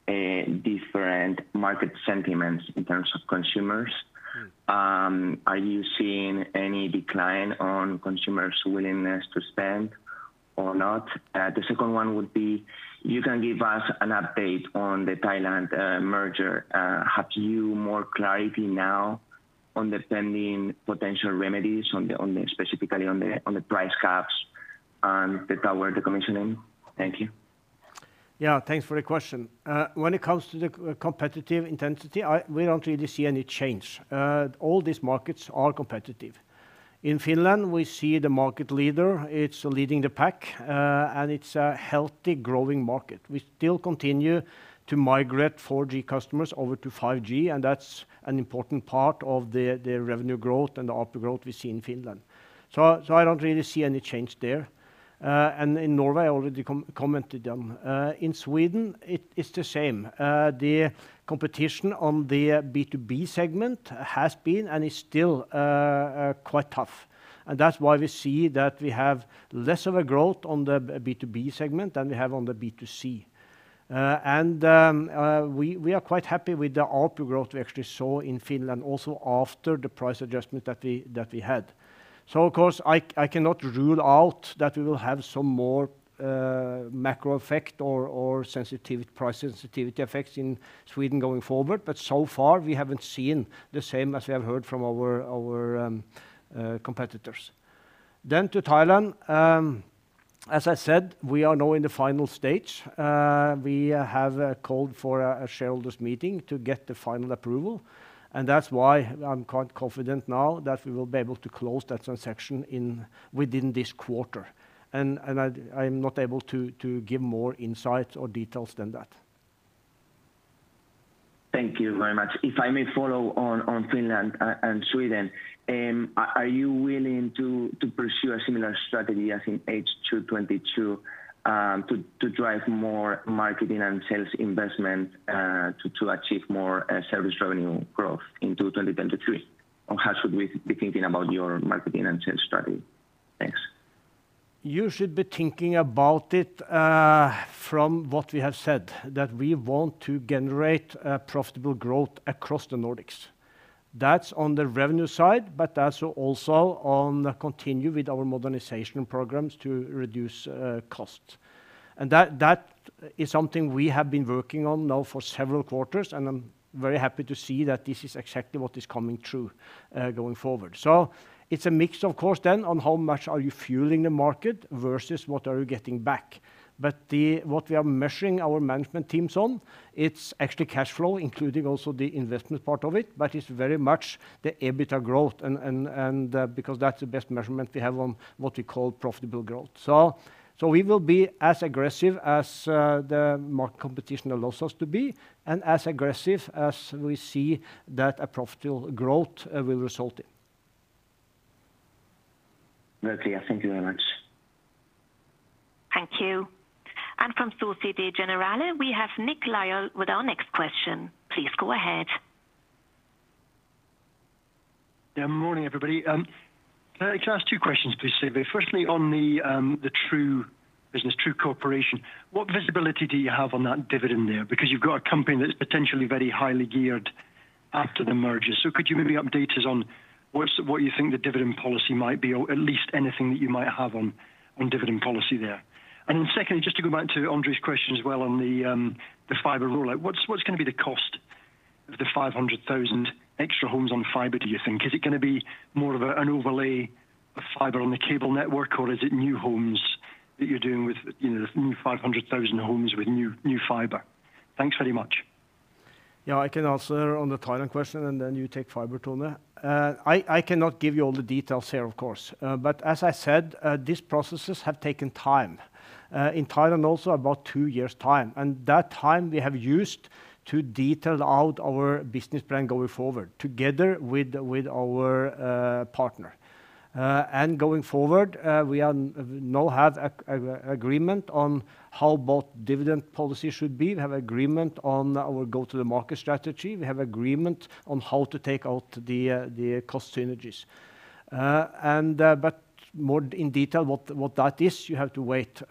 different market sentiments in terms of consumers. Are you seeing any decline on consumers' willingness to spend or not? The second one would be, you can give us an update on the Thailand merger. Have you more clarity now on the pending potential remedies specifically on the price caps and the tower, the commissioning? Thank you. Yeah, thanks for the question. When it comes to the competitive intensity, we don't really see any change. All these markets are competitive. In Finland, we see the market leader. It's leading the pack, and it's a healthy growing market. We still continue to migrate 4G customers over to 5G, and that's an important part of the revenue growth and the output growth we see in Finland. I don't really see any change there. In Norway, I already commented on. In Sweden it is the same. The competition on the B2B segment has been, and is still, quite tough. That's why we see that we have less of a growth on the B2B segment than we have on the B2C. We are quite happy with the output growth we actually saw in Finland also after the price adjustment that we had. Of course, I cannot rule out that we will have some more macro effect or sensitivity, price sensitivity effects in Sweden going forward. So far we haven't seen the same as we have heard from our competitors. To Thailand, as I said, we are now in the final stage. We have called for a shareholders' meeting to get the final approval, and that's why I'm quite confident now that we will be able to close that transaction within this quarter. I'm not able to give more insight or details than that. Thank you very much. If I may follow on Finland and Sweden, are you willing to pursue a similar strategy as in H2 2022, to drive more marketing and sales investment, to achieve more service revenue growth into 2023? Or how should we be thinking about your marketing and sales strategy? Thanks. You should be thinking about it, from what we have said, that we want to generate profitable growth across the Nordics. That's on the revenue side, but also on continue with our modernization programs to reduce costs. That is something we have been working on now for several quarters, and I'm very happy to see that this is exactly what is coming true going forward. It's a mix, of course, then on how much are you fueling the market versus what are you getting back. What we are measuring our management teams on, it's actually cash flow, including also the investment part of it, but it's very much the EBITDA growth, because that's the best measurement we have on what we call profitable growth. We will be as aggressive as the market competition allows us to be and as aggressive as we see that a profitable growth will result in. Very clear. Thank you very much. Thank you. From Société Générale, we have Nick Lyall with our next question. Please go ahead. Yeah. Morning, everybody. Can I ask two questions please, Sigve. Firstly, on the True business, True Corporation, what visibility do you have on that dividend there? You've got a company that's potentially very highly geared after the merger. Could you maybe update us on what you think the dividend policy might be? Or at least anything that you might have on dividend policy there. Secondly, just to go back to Ondrej's question as well on the fiber rollout, what's gonna be the cost of the 500,000 extra homes on fiber, do you think? Is it gonna be more of an overlay of fiber on the cable network, or is it new homes that you're doing with, you know, the new 500,000 homes with new fiber? Thanks very much. I can answer on the Thailand question, and then you take fiber, Tone. I cannot give you all the details here, of course. As I said, these processes have taken time. In Thailand also about two years' time, and that time we have used to detail out our business plan going forward together with our partner. Going forward, we are now have a agreement on how both dividend policy should be. We have agreement on our go-to-market strategy. We have agreement on how to take out the cost synergies. More in detail what that is, you have to wait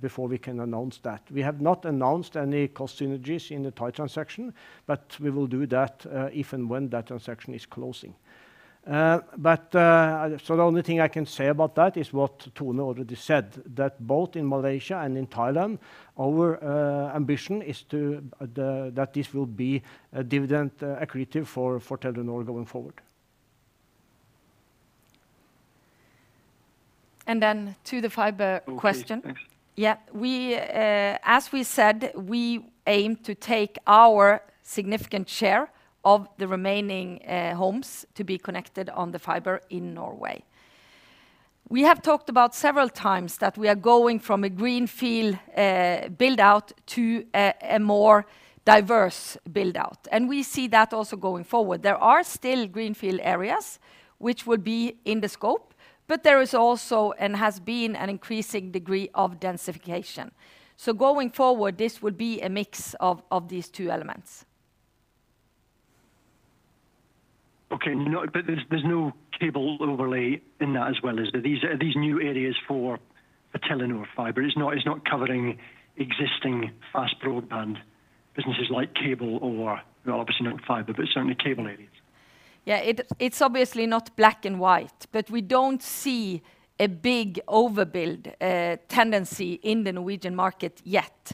before we can announce that. We have not announced any cost synergies in the Thai transaction, but we will do that if and when that transaction is closing. The only thing I can say about that is what Tone already said, that both in Malaysia and in Thailand, our ambition is to that this will be a dividend accretive for Telenor going forward. To the fiber question. Okay, thanks. We, as we said, we aim to take our significant share of the remaining homes to be connected on the fiber in Norway. We have talked about several times that we are going from a greenfield build-out to a more diverse build-out, and we see that also going forward. There are still greenfield areas which would be in the scope, but there is also and has been an increasing degree of densification. Going forward, this would be a mix of these two elements. Okay. No, there's no cable overlay in that as well, is there? These are new areas for the Telenor fiber. It's not covering existing fast broadband businesses like cable or, well, obviously not fiber, but certainly cable areas. Yeah, it's obviously not black and white, but we don't see a big overbuild tendency in the Norwegian market yet.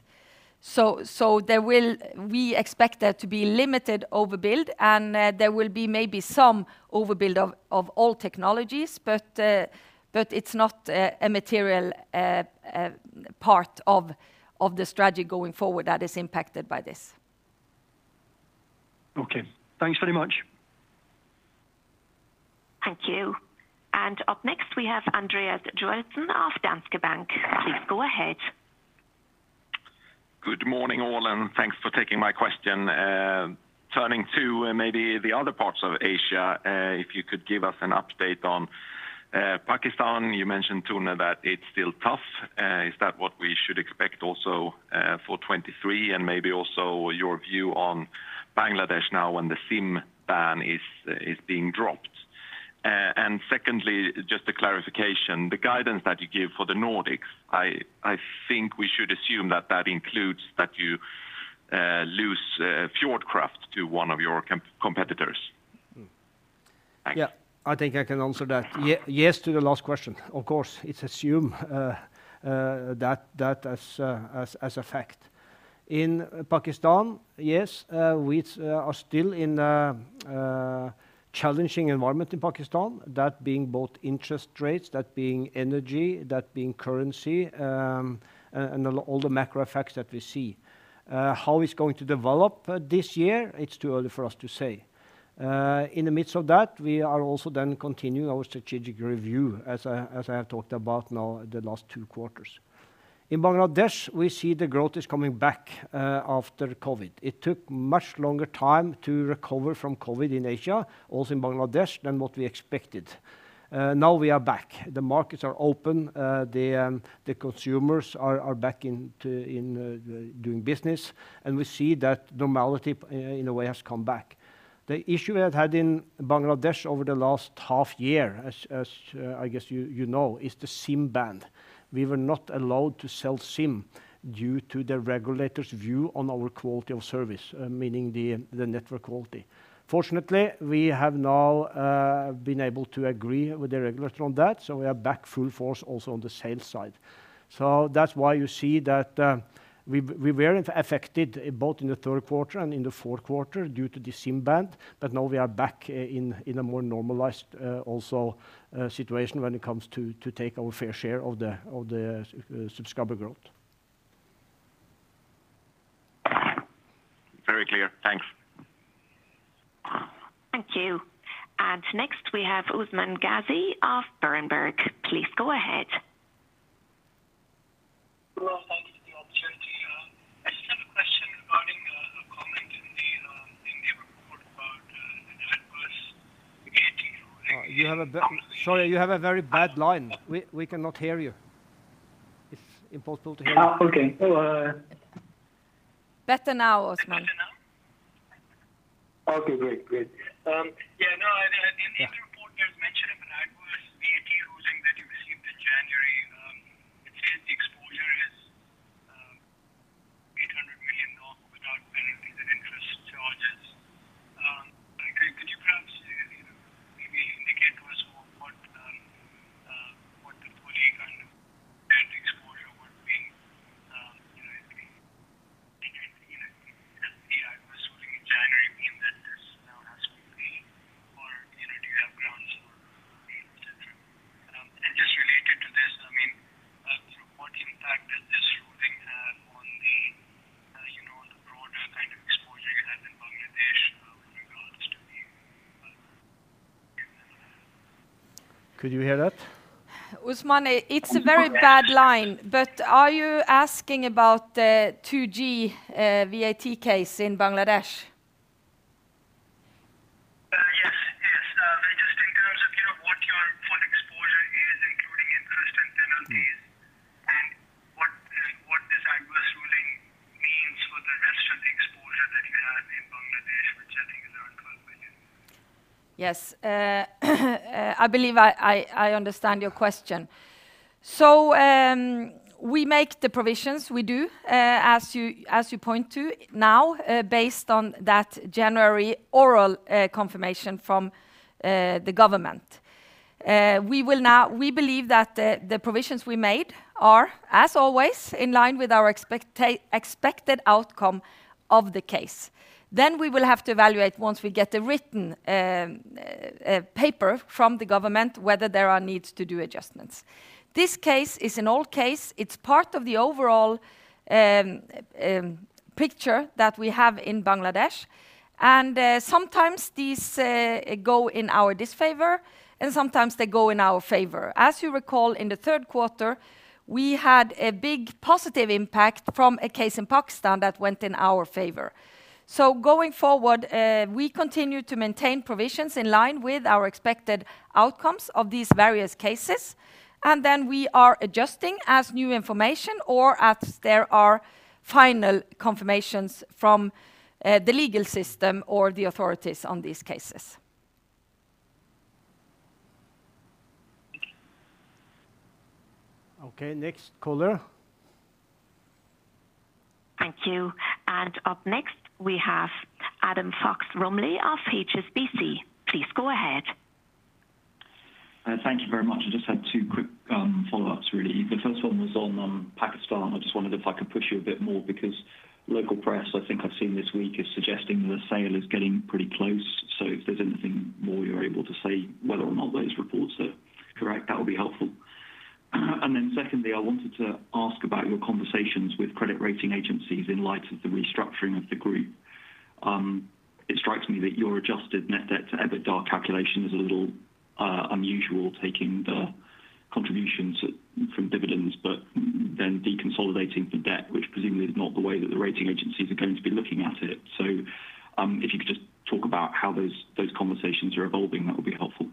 We expect there to be limited overbuild and there will be maybe some overbuild of all technologies, but it's not a material part of the strategy going forward that is impacted by this. Okay. Thanks very much. Thank you. Up next we have Andreas Joelsson of Danske Bank. Please go ahead. Good morning, all. Thanks for taking my question. Turning to maybe the other parts of Asia, if you could give us an update on Pakistan. You mentioned, Tone, that it's still tough. Is that what we should expect also for 2023? Maybe also your view on Bangladesh now when the SIM ban is being dropped. Secondly, just a clarification, the guidance that you give for the Nordics, I think we should assume that that includes that you lose Fjordkraft to one of your competitors. Thanks. Yeah. I think I can answer that. Yes to the last question. Of course, it's assumed that as a fact. In Pakistan, yes, we are still in a challenging environment in Pakistan, that being both interest rates, that being energy, that being currency, and all the macro effects that we see. How it's going to develop this year, it's too early for us to say. In the midst of that, we are also then continuing our strategic review as I have talked about now the last two quarters. In Bangladesh, we see the growth is coming back after COVID. It took much longer time to recover from COVID in Asia, also in Bangladesh, than what we expected. Now we are back. The markets are open. The consumers are back into doing business. We see that normality in a way has come back. The issue we have had in Bangladesh over the last half year as I guess you know, is the SIM ban. We were not allowed to sell SIM due to the regulators' view on our quality of service, meaning the network quality. Fortunately, we have now been able to agree with the regulator on that. We are back full force also on the sales side. That's why you see that, we were affected both in the third quarter and in the fourth quarter due to the SIM ban, but now we are back in a more normalized, also, situation when it comes to take our fair share of the subscriber growth. Very clear. Thanks. Thank you. Next we have Usman Ghazi of Berenberg. Please go ahead. Well, thanks for the opportunity. I just have a question regarding a comment in the report about an adverse. Sorry, you have a very bad line. We cannot hear you. It's impossible to hear you. Oh, okay. Better now, Usman. Better now? Okay, great. Great. Yeah. No, in the report there's mention of an adverse VAT ruling that you received in January. It says the exposure is $800 million without penalties and interest charges. Could you perhaps, you know, maybe indicate to us what what the full economic and exposure would be directly indicated in an adverse ruling? Did this ruling have on the, you know, the broader kind of exposure you have in Bangladesh, with regards to the? Could you hear that? Usman, it's a very bad line, but are you asking about the 2G, VAT case in Bangladesh? Yes. Yes. Just in terms of, you know, what your full exposure is, including interest and penalties, and what this adverse ruling means for the rest of the exposure that you have in Bangladesh, which I think is around NOK 12 billion. Yes. I believe I understand your question. We make the provisions we do, as you point to now, based on that January oral confirmation from the government. We believe that the provisions we made are, as always, in line with our expected outcome of the case. We will have to evaluate once we get the written paper from the government, whether there are needs to do adjustments. This case is an old case. It's part of the overall picture that we have in Bangladesh. Sometimes these go in our disfavor, and sometimes they go in our favor. As you recall, in the third quarter, we had a big positive impact from a case in Pakistan that went in our favor. Going forward, we continue to maintain provisions in line with our expected outcomes of these various cases, we are adjusting as new information or as there are final confirmations from the legal system or the authorities on these cases. Okay, next caller. Thank you. Up next we have Adam Fox-Rumley of HSBC. Please go ahead. Thank you very much. I just had two quick follow-ups really. The first one was on Pakistan. I just wondered if I could push you a bit more because local press, I think I've seen this week, is suggesting that a sale is getting pretty close. If there's anything more you're able to say whether or not those reports are correct, that would be helpful. Secondly, I wanted to ask about your conversations with credit rating agencies in light of the restructuring of the group. It strikes me that your adjusted net debt to EBITDA calculation is a little unusual, taking the contributions from dividends, but then deconsolidating the debt, which presumably is not the way that the rating agencies are going to be looking at it. If you could just talk about how those conversations are evolving, that would be helpful.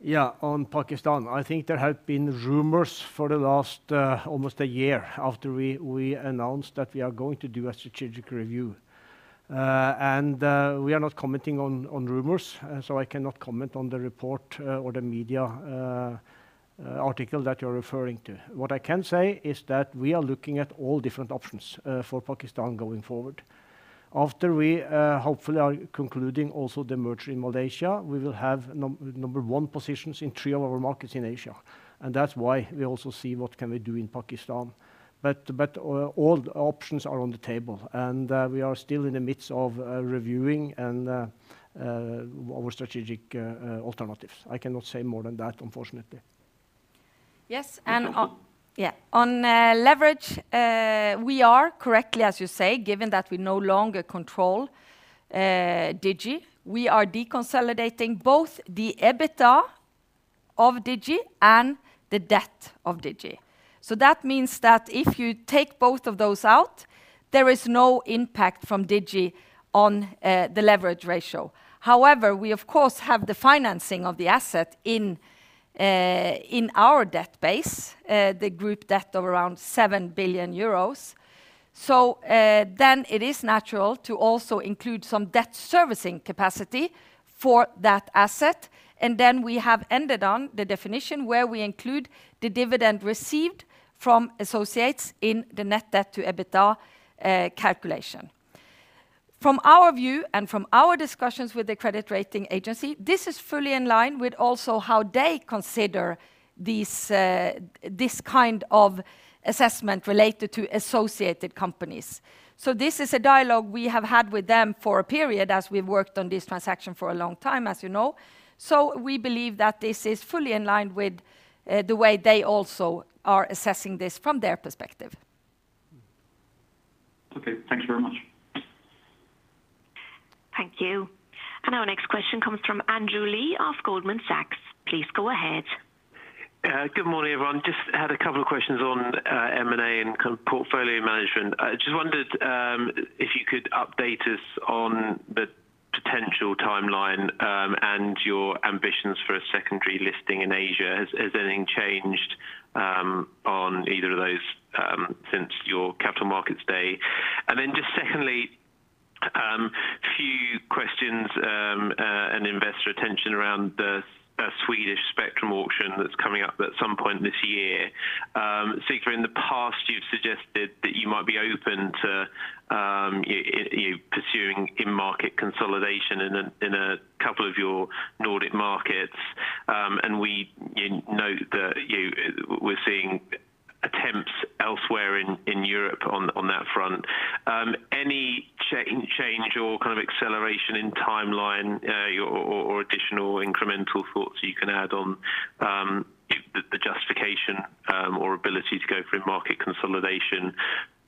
Thank you. Yeah. On Pakistan, I think there have been rumors for the last, almost a year after we announced that we are going to do a strategic review. We are not commenting on rumors, so I cannot comment on the report or the media article that you're referring to. What I can say is that we are looking at all different options for Pakistan going forward. After we hopefully are concluding also the merger in Malaysia, we will have number one positions in three of our markets in Asia, and that's why we also see what can we do in Pakistan. All options are on the table and we are still in the midst of reviewing and our strategic alternatives. I cannot say more than that, unfortunately. Yes. Yeah. On leverage, we are correctly, as you say, given that we no longer control, Digi. We are deconsolidating both the EBITDA of Digi and the debt of Digi. That means that if you take both of those out, there is no impact from Digi on the leverage ratio. However, we of course have the financing of the asset in our debt base, the group debt of around 7 billion euros. Then it is natural to also include some debt servicing capacity for that asset. Then we have ended on the definition where we include the dividend received from associates in the net debt to EBITDA calculation. From our view and from our discussions with the credit rating agency, this is fully in line with also how they consider these, this kind of assessment related to associated companies. This is a dialogue we have had with them for a period as we've worked on this transaction for a long time, as you know. We believe that this is fully in line with the way they also are assessing this from their perspective. Okay. Thank you very much. Thank you. Our next question comes from Andrew Lee of Goldman Sachs. Please go ahead. Good morning, everyone. Just had a couple of questions on M&A and kind of portfolio management. I just wondered if you could update us on the potential timeline and your ambitions for a secondary listing in Asia. Has anything changed on either of those since your Capital Markets Day? Just secondly, a few questions and investor attention around the Swedish spectrum auction that's coming up at some point this year. Sigve, in the past, you've suggested that you might be open to you pursuing in-market consolidation in a couple of your Nordic markets. We, you know that we're seeing attempts elsewhere in Europe on that front. Your kind of acceleration in timeline, your or additional incremental thoughts you can add on, the justification, or ability to go for a market consolidation,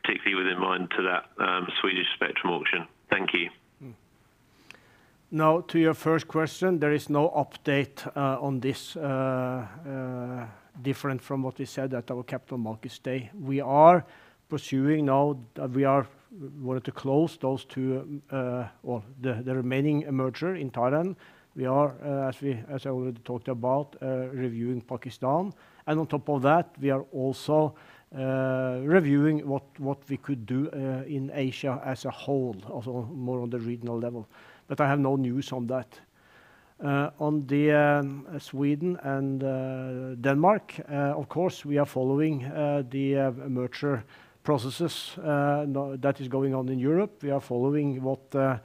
particularly with in mind to that Swedish spectrum auction? Thank you. No, to your first question, there is no update, on this, different from what we said at our Capital Markets Day. We are pursuing now that we wanted to close those two, or the remaining merger in Thailand. We are, as we, as I already talked about, reviewing Pakistan. On top of that, we are also, reviewing what we could do in Asia as a whole, also more on the regional level. I have no news on that. On the Sweden and Denmark, of course, we are following the merger processes that is going on in Europe. We are following what the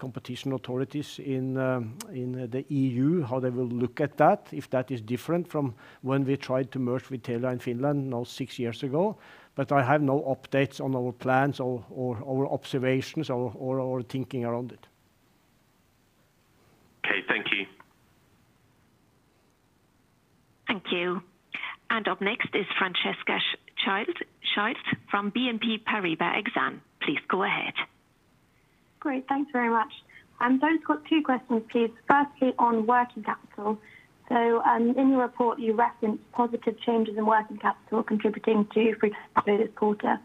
competition authorities in the EU, how they will look at that, if that is different from when we tried to merge with Telia in Finland now six years ago. I have no updates on our plans or our observations or our thinking around it. Okay. Thank you. Thank you. And up next is Francesca Childs from BNP Paribas Exane. Please go ahead. Great. Thanks very much. Just got two questions, please. Firstly, on working capital. In your report, you referenced positive changes in working capital contributing to free cash flow this quarter.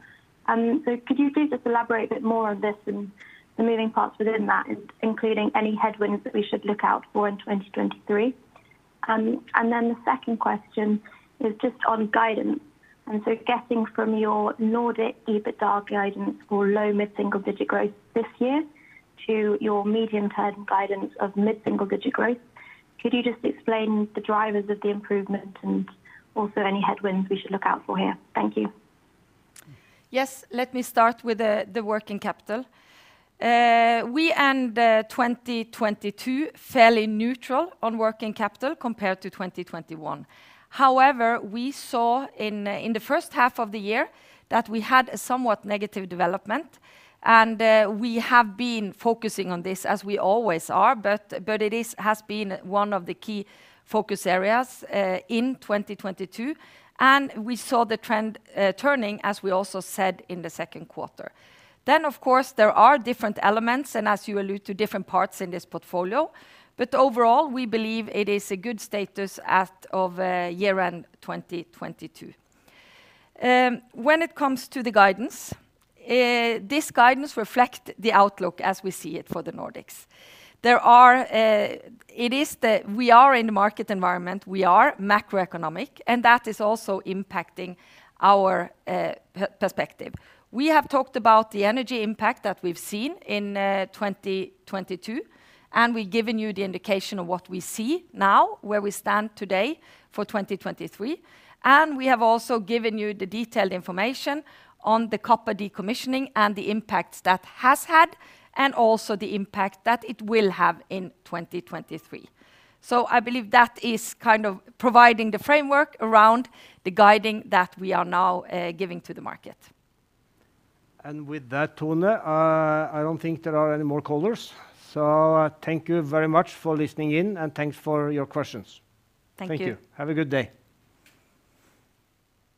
Could you please just elaborate a bit more on this and the moving parts within that, including any headwinds that we should look out for in 2023? The second question is just on guidance. Getting from your Nordic EBITDA guidance for low mid-single digit growth this year to your medium term guidance of mid-single digit growth, could you just explain the drivers of the improvement and also any headwinds we should look out for here? Thank you. Yes. Let me start with the working capital. We end 2022 fairly neutral on working capital compared to 2021. However, we saw in the first half of the year that we had a somewhat negative development, and we have been focusing on this as we always are, but it has been one of the key focus areas in 2022. We saw the trend turning, as we also said in the second quarter. Of course, there are different elements and as you allude to different parts in this portfolio, but overall, we believe it is a good status as of year-end 2022. When it comes to the guidance, this guidance reflect the outlook as we see it for the Nordics. There are. We are in a market environment. We are macroeconomic, and that is also impacting our perspective. We have talked about the energy impact that we've seen in 2022, and we've given you the indication of what we see now, where we stand today for 2023. We have also given you the detailed information on the copper decommissioning and the impacts that has had and also the impact that it will have in 2023. I believe that is kind of providing the framework around the guiding that we are now giving to the market. With that, Tone, I don't think there are any more callers. Thank you very much for listening in, and thanks for your questions. Thank you. Thank you. Have a good day.